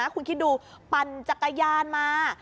คุณคิดดูปั่นจักรยานมา